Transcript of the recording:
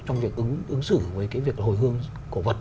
trong việc ứng xử với cái việc hồi hương cổ vật